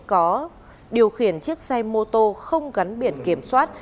có điều khiển chiếc xe mô tô không gắn biển kiểm soát